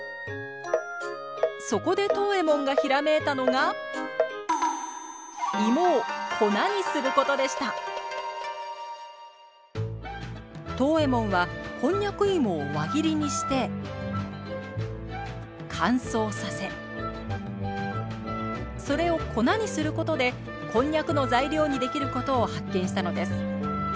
そこで藤右衛門がひらめいたのが芋を粉にすることでした藤右衛門はこんにゃく芋を輪切りにして乾燥させそれを粉にすることでこんにゃくの材料にできることを発見したのです。